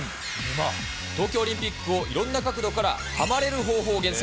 東京オリンピックをいろんな角度からハマれる方法を厳選。